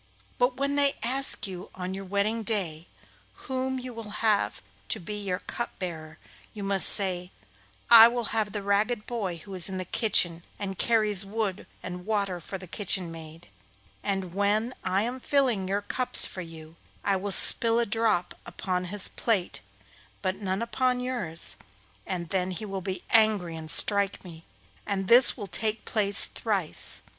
But when they ask you on your wedding day whom you will have to be your cup bearer, you must say, "I will have the ragged boy who is in the kitchen, and carries wood and water for the kitchen maid;" and when I am filling your cups for you, I will spill a drop upon his plate but none upon yours, and then he will be angry and strike me, and this will take place thrice.